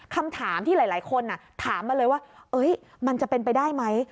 คำถามที่หลายคนถามมาเลยว่ามันจะเป็นไปได้ไหม